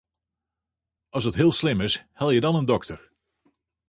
As it heel slim is, helje dan in dokter.